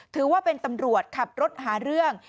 ถือว่าเป็นตำรวจขับรถหาเรื่อง